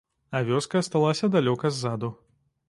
А вёска асталася далёка ззаду.